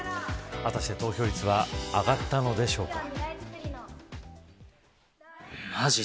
果たして、投票率は上がったのでしょうか。